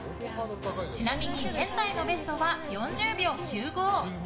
ちなみに現在のベストは４０秒９５。